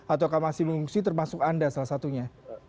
atau masih mengungsi termasuk anda salah satunya